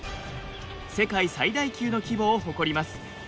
世界最大級の規模を誇ります。